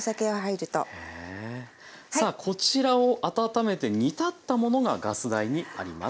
さあこちらを温めて煮立ったものがガス台にあります。